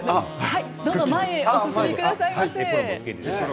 前へお進みくださいませ。